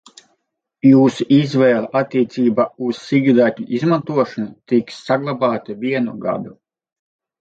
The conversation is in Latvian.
Jūsu izvēle attiecībā uz sīkdatņu izmantošanu tiks saglabāta vienu gadu.